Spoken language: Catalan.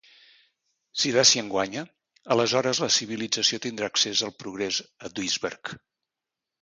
Si Dashian guanya, aleshores la civilització tindrà accés al progrés a Duisberg.